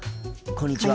こんにちは。